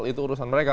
itu urusan mereka